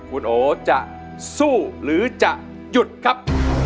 คุณโอจะสู้หรือจะหยุดครับ